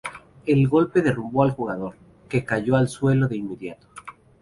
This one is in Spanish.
El golpe derrumbó al jugador, que cayó al suelo de inmediato.